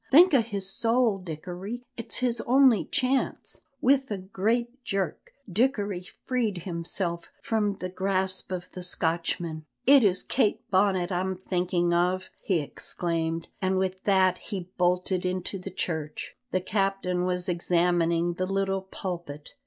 Think o' his soul, Dickory; it's his only chance!" With a great jerk Dickory freed himself from the grasp of the Scotchman. "It is Kate Bonnet I am thinking of!" he exclaimed, and with that he bolted into the church. The captain was examining the little pulpit.